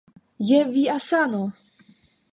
Je via sano.